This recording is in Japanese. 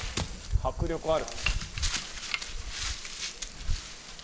迫力ある。